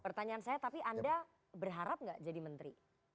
pertanyaan saya tapi anda berharap nggak jadi menteri